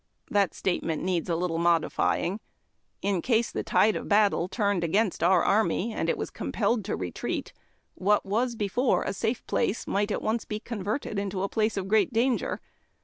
That statement needs a little modifying. In case the tide of battle turned against our army and it was compelled to retreat, what was before a safe place n.iight at once be converted into a place of great danger.